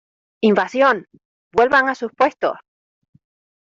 ¡ Invasión! ¡ vuelvan a sus puestos !